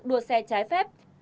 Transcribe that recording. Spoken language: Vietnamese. đưa xe trái phép